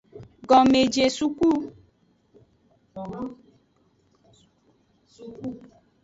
Gomejesuku.